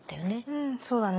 うんそうだね。